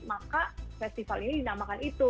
maka festival ini dinamakan itu